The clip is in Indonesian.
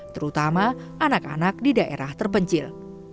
terutama anak anak di daerah terpencil